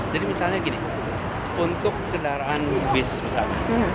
jadi misalnya gini untuk kendaraan bis misalnya